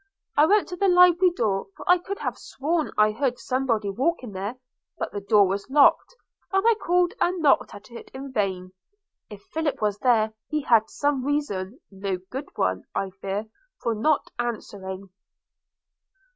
I went to the library door, for I could have sworn I heard somebody walking there; but the door was locked, and I called and knocked at it in vain. If Philip was there, he had some reason – no good one, I fear – for not answering.'